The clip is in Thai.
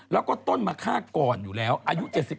เขาก็ต้นมาฆ่าก่อนอยู่แล้วอายุ๗๑เนี่ย